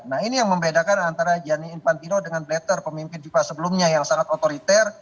nah ini yang membedakan antara gianni infantino dengan blatter pemimpin fifa sebelumnya yang sangat otoriter